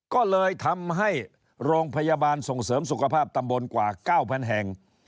ก็เลยทำให้โรงพยาบาลส่งเสริมสุขภาพตำบลกว่า๙๐๐แห่ง